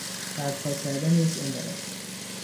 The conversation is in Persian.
برپا کردن یک عمارت